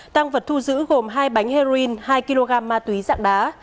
tăng vật thu giữ gồm hai bánh heroin hai kg ma túy dạng đá